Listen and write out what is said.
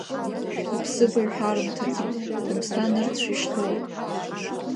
Иԥсыбаҩ ҳарымҭаӡеит, Гәымсҭа нырцә ишьҭоуп…